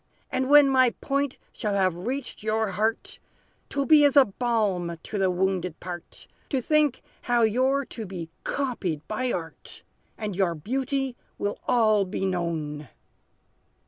And when my point shall have reached your heart, 'T will be as a balm to the wounded part, To think how you're to be copied by art, And your beauty will all be known!"